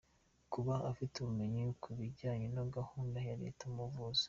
Kuba afite ubumenyi ku bijyanye na gahunda ya Leta mu buvuzi ;.